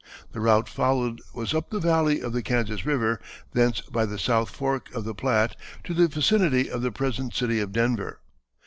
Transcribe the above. The route followed was up the valley of the Kansas River, thence by the South Fork of the Platte to the vicinity of the present city of Denver.